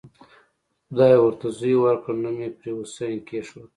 خدای ج ورته زوی ورکړ نوم یې پرې حسین کېښود.